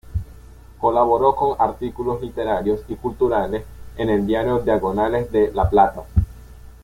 Colaboró con artículos literarios y culturales en el diario Diagonales de La Plata.